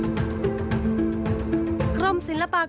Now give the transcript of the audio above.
ซึ่งจะเป็นภาษาด้วยแร่ออกรวง